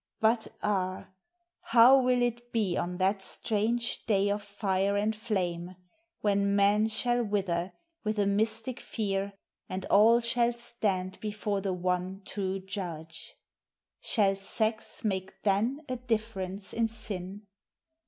But ah, how will it be On that strange day of fire and flame, When men shall wither with a mystic fear, And all shall stand before the one true Judge? Shall sex make then a difference in sin?